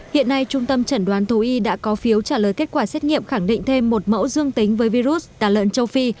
hiện nay trung tâm chẩn đoán thú y đã có phiếu trả lời kết quả xét nghiệm khẳng định thêm một mẫu dương tính với virus tà lợn châu phi